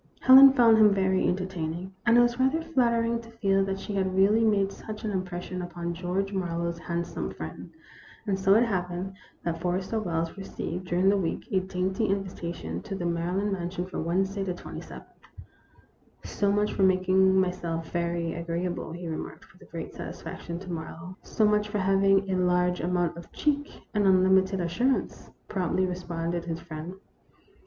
Helen found him very entertaining, and it was rather flattering to feel that she had really made such an impression upon George Marlowe's hand some friend. And so it happened that Forrester Wells received, during the following week, a dainty invitation to the Maryland mansion for Wednesday, the ath. 1 84 THE ROMANCE OF A SPOON. " So much for making myself very agreeable," he remarked, with great satisfaction, to Marlowe. " So much for having a large amount of cheek and unlimited assurance," promptly responded his friend.